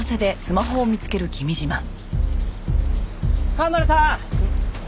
蒲原さん！